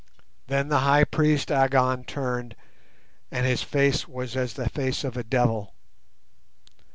Then the High Priest Agon turned, and his face was as the face of a devil.